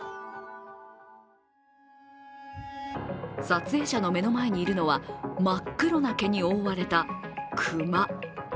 撮影者の目の前にいるのは真っ黒な毛に覆われた熊。